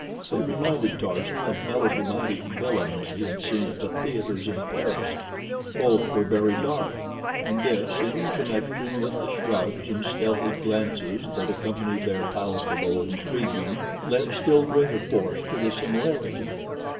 They reminded Tarzan of melodramatic villains he had seen at the theaters in Paris. Both were very dark, and this, in connection with the shrugs and stealthy glances that accompanied their palpable intriguing, lent still greater force to the similarity.